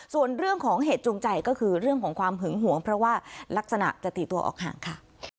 ส่วนเรื่องของเหตุจูงใจก็คือเรื่องของความหึงหวงเพราะว่ารักษณะจะตีตัวออกห่างค่ะ